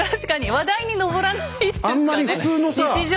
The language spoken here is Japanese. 話題に上らないですかね